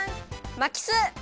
まきす！